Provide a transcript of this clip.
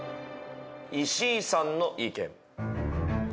石井さんの意見。